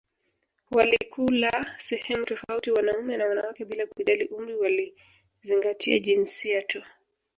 Walikula sehemu tofauti wanaume na wanawake bila kujali umri walizingatia jinsia tu